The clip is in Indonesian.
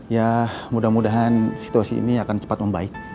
ya mudah mudahan situasi ini akan cepat membaik